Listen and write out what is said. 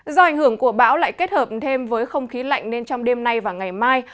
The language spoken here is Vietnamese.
do ảnh hưởng của bão lại kết hợp thêm với không khí lạnh nên trong đêm nay và ngày mai